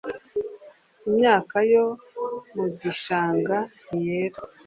imyaka yo mu gishanga ntiyera.